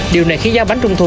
điều này khi giá bánh trung thu